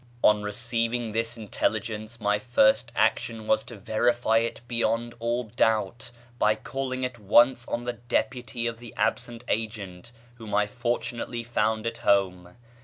On receiving this intelligence my first action was to verify it beyond all doubt by calling at once on the deputy of the absent agent, whom I fortunately found at home.